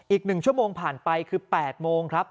อีก๑ชั่วโมงผ่านไปคือ๘โมงครับ